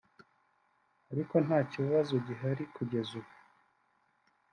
ariko nta kibazo gihari kugeza ubu